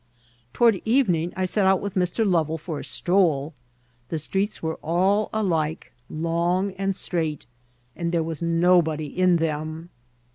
Toward evening I set out with Mr. Lovel for a stroll. The streets were all alike, long and straight, and there was nobody in them.